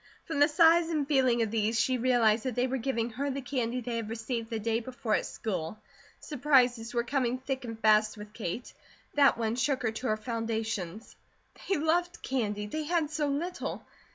From the size and feeling of these, she realized that they were giving her the candy they had received the day before at school. Surprises were coming thick and fast with Kate. That one shook her to her foundations. They loved candy. They had so little!